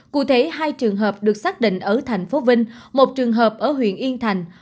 cụ thể hai trường hợp được xác định ở tp vinh một trường hợp ở huyện yên thành